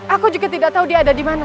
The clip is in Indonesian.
aku juga tidak tahu dia ada dimana